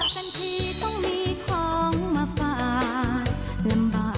สวัสดีค่ะ